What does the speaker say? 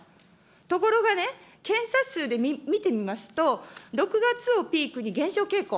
ところがね、検査数で見てみますと、６月をピークに減少傾向。